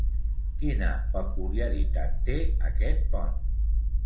Quina peculiaritat té aquest pont?